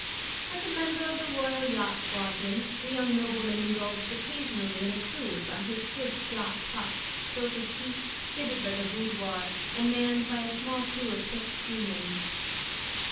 As a member of the Royal Yacht Squadron, the young nobleman indulged occasionally in a cruise on his swift yacht Puck, built of teak, fitted like a boudoir, and manned by a small crew of picked seamen.